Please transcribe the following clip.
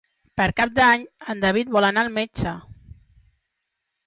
Per Cap d'Any en David vol anar al metge.